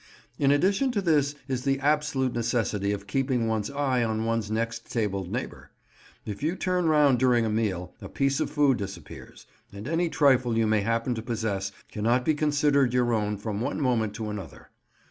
In addition to this is the absolute necessity of keeping one's eye on one's next tabled neighbour. If you turn round during a meal, a piece of food disappears, and any trifle you may happen to possess cannot be considered your own from one moment to another.